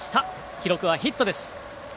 記録はヒットです。